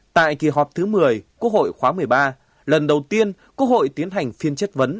tại kỳ họp thứ một mươi quốc hội khóa một mươi ba lần đầu tiên quốc hội tiến hành phiên chất vấn